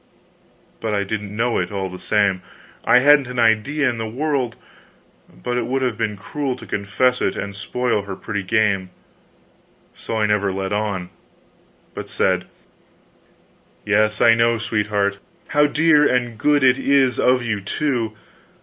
But I didn't know it, all the same. I hadn't an idea in the world; but it would have been cruel to confess it and spoil her pretty game; so I never let on, but said: "Yes, I know, sweetheart how dear and good it is of you, too!